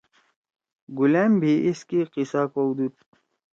گلأم بھی ایس کے قیصہ کودُود۔